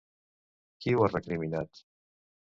Qui ho ha recriminat?